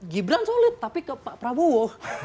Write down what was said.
gibran solid tapi ke pak prabowo